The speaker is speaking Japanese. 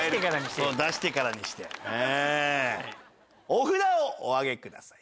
お札をお上げください。